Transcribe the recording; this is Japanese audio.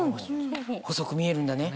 細く見えるんだね。